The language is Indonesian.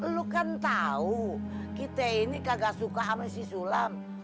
lu kan tahu kita ini kagak suka sama si sulam